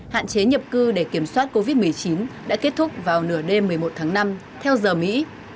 hạn chế nhập cư để kiểm soát covid một mươi chín đã kết thúc vào nửa đêm một mươi một tháng năm theo giờ mỹ